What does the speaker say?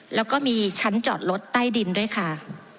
แล้วก็มีชั้นจอดรถใต้ดินด้วยค่ะ